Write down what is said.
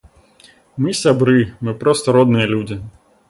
Мы сябры, мы проста родныя людзі.